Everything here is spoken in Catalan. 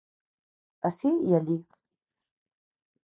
Ací i allí.